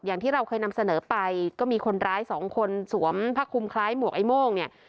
อย่างที่เราเคยนำเสนอไปก็มีคนร้ายสองคนสวมผ้าคลุมคล้ายหมวกไอ้โม่งเนี่ย